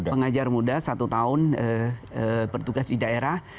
pengajar muda satu tahun bertugas di daerah